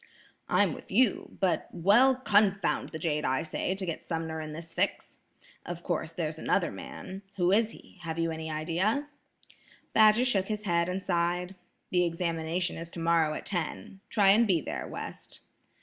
"I'm with you, but–well–confound the jade, I say, to get Sumner in this fix. Of course, there's another man. Who is he? Have you an idea?" Badger shook his head and sighed. "The examination is tomorrow at ten. Try and be there, West."